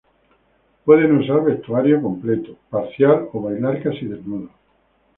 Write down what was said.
Pueden usar vestuario complete, parcial o bailar casi desnudos.